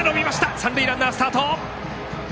三塁ランナー、スタート！